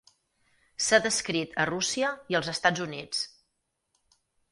S'ha descrit a Rússia i als Estats Units.